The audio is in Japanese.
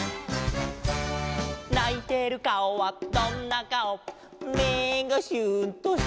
「ないてるかおはどんなかお」「目がシューンと下向いて」